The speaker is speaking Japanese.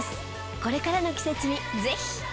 これからの季節にぜひ。